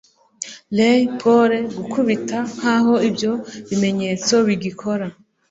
Riley Poole: [gukubita] Nkaho ibyo bimenyetso bigikora